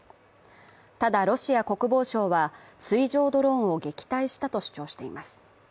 ただロシア国防省は水上ドローンを撃退したと主張しています。